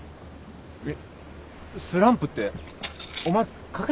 えっスランプってお前書けないのか？